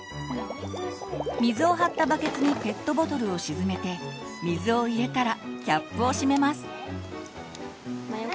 水を張ったバケツにペットボトルを沈めて水を入れたらキャップを閉めます。